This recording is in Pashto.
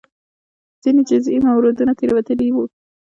ځینې جزئي موردونو تېروتلي وو.